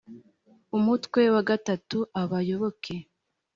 umutwe wa gatatu abayoboke